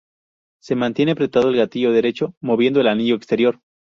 Se mantiene apretado el gatillo derecho moviendo el anillo exterior.